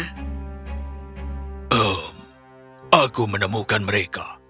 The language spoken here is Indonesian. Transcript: hmm aku menemukan mereka